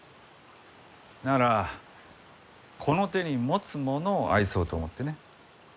ならこの手に持つものを愛そうと思ってね。